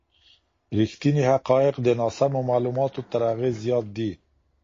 ریښتیني حقایق د ناسمو معلوماتو تر اغېز زیات دي.